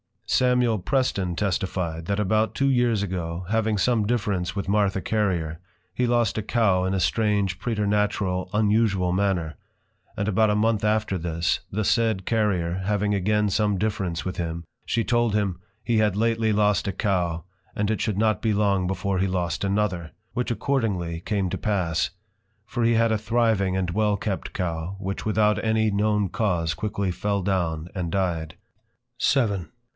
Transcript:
Samuel Preston testify'd, that about two years ago, having some difference with Martha Carrier, he lost a Cow in a strange Preternatural unusual manner; and about a month after this, the said Carrier, having again some difference with him, she told him; He had lately lost a Cow, and it should not be long before he lost another; which accordingly came to pass; for he had a thriving and well kept Cow, which without any known cause quickly fell down and dy'd. VII.